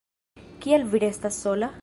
Kial vi restas sola?